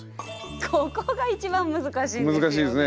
ここが一番難しいんですよね。